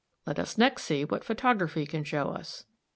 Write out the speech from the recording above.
Let us next see what photography can show us.